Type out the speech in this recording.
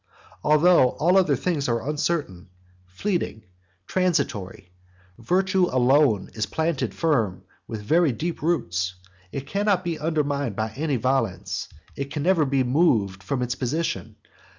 Although all other things are uncertain, fleeting, transitory; virtue alone is planted firm with very deep roots; it cannot be undermined by any violence; it can never be moved from its position.